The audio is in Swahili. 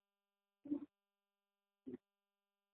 Epua viazilishe vyako